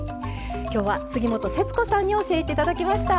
今日は杉本節子さんに教えて頂きました。